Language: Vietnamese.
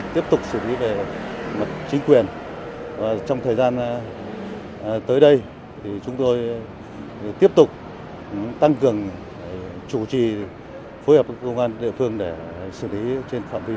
để xử lý trên phạm vi toàn quốc